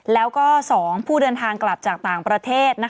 แล้วก็๒ผู้เดินทางกลับจากต่างประเทศ